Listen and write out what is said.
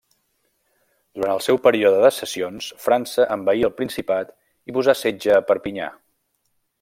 Durant el seu període de sessions França envaí el Principat i posà setge a Perpinyà.